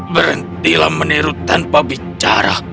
berhentilah meniru tanpa bicara